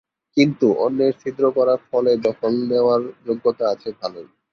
কিন্তু অন্যের ছিদ্র করা ফলে দখল নেওয়ার যোগ্যতা আছে ভালোই।